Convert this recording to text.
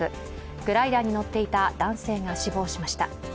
グライダーに乗っていた男性が死亡しました。